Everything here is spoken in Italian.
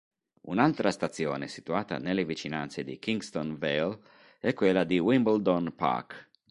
Un'altra stazione situata nelle vicinanze di Kingston Vale è quella di Wimbledon Park.